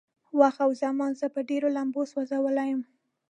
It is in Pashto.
وخت او زمان زه په ډېرو لمبو سوځولی يم.